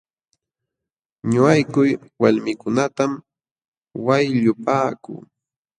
Ñuqayku walmiikunatam wayllupaaku.